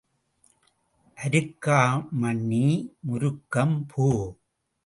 அருக்காமணி முருக்கம் பூ.